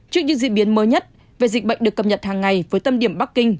trước những diễn biến mới nhất về dịch bệnh được cập nhật hàng ngày với tâm điểm bắc kinh